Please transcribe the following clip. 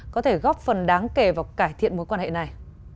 có thể góp phần đáng kể vào cải thiện mối quan hệ này